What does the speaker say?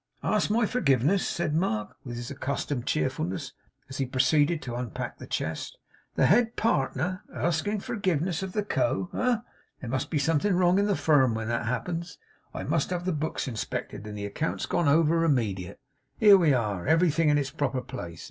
'Ask my forgiveness!' said Mark, with his accustomed cheerfulness, as he proceeded to unpack the chest. 'The head partner a asking forgiveness of Co., eh? There must be something wrong in the firm when that happens. I must have the books inspected and the accounts gone over immediate. Here we are. Everything in its proper place.